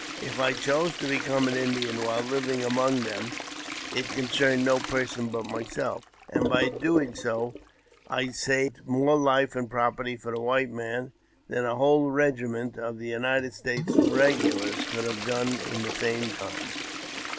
If I chose to become an Indian while livi among them, it concerned no person but myself ; and by doi so, I saved more life and property for the white man than a! whole regiment of United States regulars could have done in the same time.